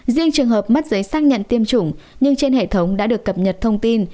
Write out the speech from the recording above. riêng trường hợp mất giấy xác nhận tiêm chủng nhưng trên hệ thống đã được cập nhật thông tin